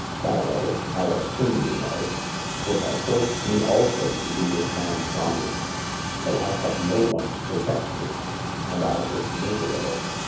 Pharaoh— our king, you know — would have forced me also to be this man's rani, so I had no one to protect me, and I was miserable.